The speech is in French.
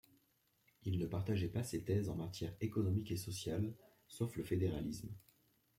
Ils ne partageaient pas ses thèses en matière économique et sociale, sauf le fédéralisme.